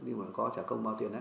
nhưng mà có trả công bao tiền đấy